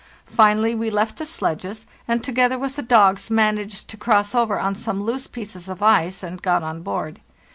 Finally we left the sledges and, together with the dogs, managed to cross over on some loose pieces of ice and got on board.